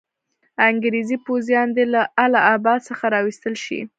انګریزي پوځیان دي له اله اباد څخه را وایستل شي.